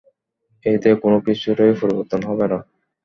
এতে কোন কিছুরই পরিবর্তন হবে না।